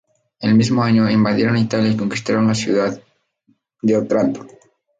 El mismo año, invadieron Italia y conquistaron la ciudad de Otranto.